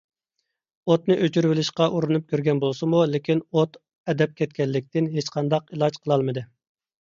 ئوتنى ئۆچۈرۈۋېلىشقا ئۇرۇنۇپ كۆرگەن بولسىمۇ، لېكىن ئوت ئەدەپ كەتكەنلىكتىن ھېچقانداق ئىلاج قىلالمىدى.